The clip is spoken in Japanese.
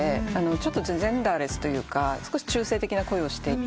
ちょっとジェンダーレスというか少し中性的な声をしていて。